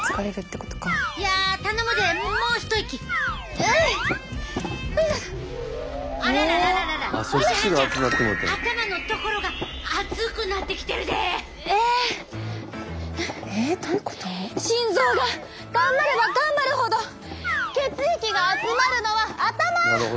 え心臓が頑張れば頑張るほど血液が集まるのは頭。